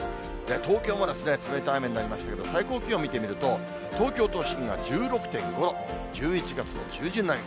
東京も冷たい雨になりましたけれども、最高気温見てみると、東京都心が１６．５度、１１月の中旬並み。